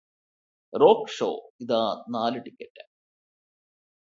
rock show ഇതാ നാല് ticket